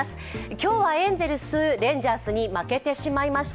今日はエンゼルス、レンジャーズに負けてしまいました。